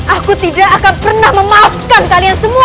aku tidak akan pernah memaafkan kalian semua